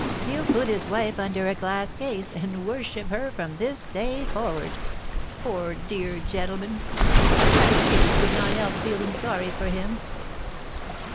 he'll put his wife under a glass case, and worship her from this day forward. Poor, dear gentleman! I really could not help feeling sorry for him.